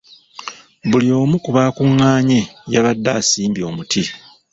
Buli omu ku baakunganye yabadde asimbye omuti.